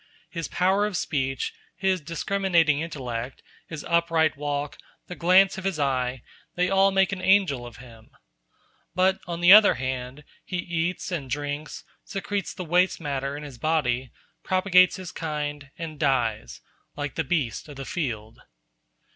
His power of speech, his discriminating intellect, his upright walk, the glance of his eye—they all make an angel of him. But, on the other hand, he eats and drinks, secretes the waste matter in his body, propagates his kind, and dies, like the beast of the field.